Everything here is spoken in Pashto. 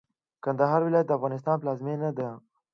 کندهار ولايت د افغانستان پلازمېنه وه.